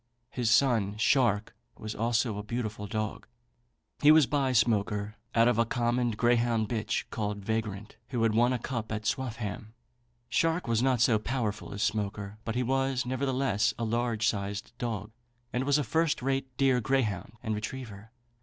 His son Shark was also a beautiful dog. He was by Smoaker out of a common greyhound bitch, called Vagrant, who had won a cup at Swaffham. Shark was not so powerful as Smoaker; but he was, nevertheless, a large sized dog, and was a first rate deer greyhound and retriever.